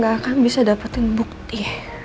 gak akan bisa dapetin bukti